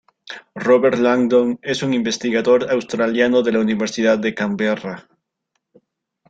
Robert Langdon es un investigador australiano de la Universidad de Canberra.